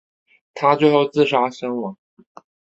他最后自杀身亡。